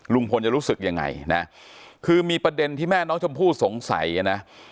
ลุงพลจะรู้สึกยังไงนะคือมีประเด็นที่แม่น้องชมพู่สงสัยนะ